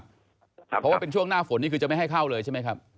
เพราะว่าเป็นช่วงหน้าฝนนี่คือจะไม่ให้เข้าเลยใช่ไหมครับ